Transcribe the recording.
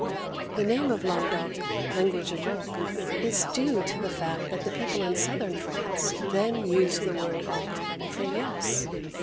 The name of Languedoc (language of oc) is due to the fact that the people in southern France then used the word oc for " yes."